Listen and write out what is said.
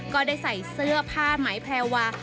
ก็ได้ใส่เสื้อผ้าไหมแพรวา